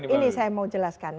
ini saya mau jelaskan